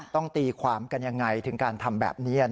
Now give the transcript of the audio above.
ตีความกันยังไงถึงการทำแบบนี้